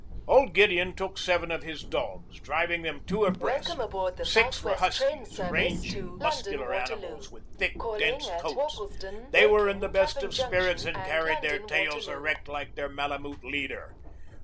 Old Gideon took seven of his dogs, driving them two abreast. Six were huskies, rangy, muscular animals with thick, dense coats. They were in the best of spirits and carried their tails erect like their Malemute leader.